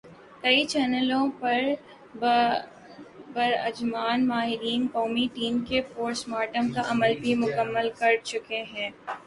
کی چینلوں پر براجمان "ماہرین" قومی ٹیم کے پوسٹ مارٹم کا عمل بھی مکمل کر چکے ہیں ۔